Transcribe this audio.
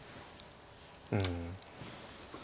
うん。